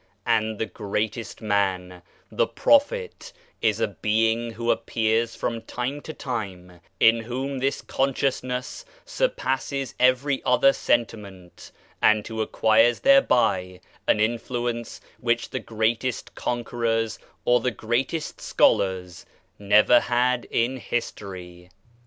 And the greatest man, the Prophet, is a being who appears from time to time, in whom this con sciousness surpasses every other senti ment, and who acquires thereby an in fluence which the greatest conquerors or the greatest scholars never had in history.